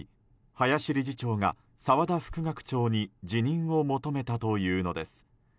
林理事長が澤田副学長に辞任を求めたというのです。